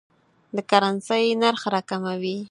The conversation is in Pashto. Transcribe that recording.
د کرنسۍ نرخ راکموي.